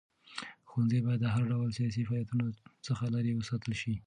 ښوونځي باید د هر ډول سیاسي فعالیتونو څخه لرې وساتل شي.